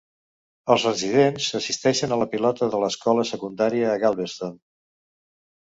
Els residents assisteixen a la pilota de l'escola secundària a Galveston.